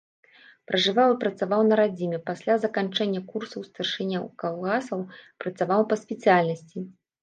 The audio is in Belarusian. Пражываў і працаваў на радзіме, пасля заканчэння курсаў старшыняў калгасаў працаваў па спецыяльнасці.